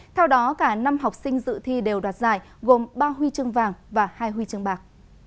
theo đó cả năm học sinh dự thi đều đoạt giải gồm ba huy chương vàng và hai huy chương bạc